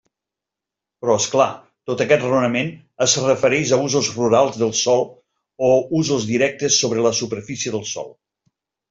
Però, és clar, tot aquest raonament es refereix a usos rurals del sòl o usos directes sobre la superfície del sòl.